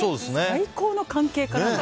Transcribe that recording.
最高の関係から。